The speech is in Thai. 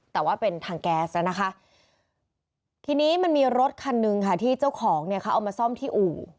แต่ว่าเป็นทางแก๊สแล้วนะคะทีนี้มันมีรถคันหนึ่งค่ะที่เจ้าของเนี่ยเขาเอามาซ่อมที่อู่